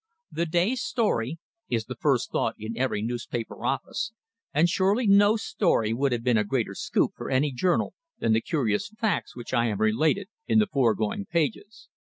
"The day's story" is the first thought in every newspaper office, and surely no story would have been a greater "scoop" for any journal than the curious facts which I have related in the foregoing pages.